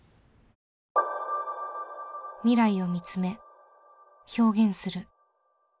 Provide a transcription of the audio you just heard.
未来を見つめ表現する。